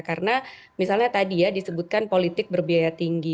karena misalnya tadi ya disebutkan politik berbiaya tinggi